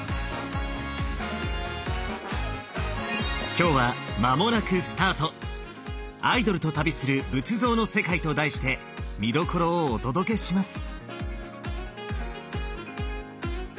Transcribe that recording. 今日は「まもなくスタートアイドルと旅する仏像の世界」と題して見どころをお届けします。